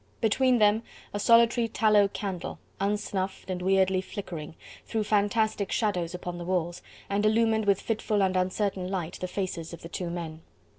Between them a solitary tallow candle, unsnuffed and weirdly flickering, threw fantastic shadows upon the walls, and illumined with fitful and uncertain light the faces of the two men.